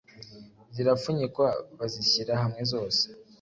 zirapfunyikwa bazishyira hamwe zose